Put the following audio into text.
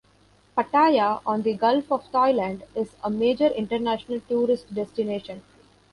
Pattaya, on the Gulf of Thailand, is a major international tourist destination.